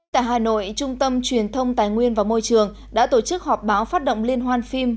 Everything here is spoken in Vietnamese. tại hà nội trung tâm truyền thông tài nguyên và môi trường đã tổ chức họp báo phát động liên hoan phim